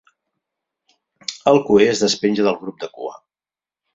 El cuer es despenja del grup de cua.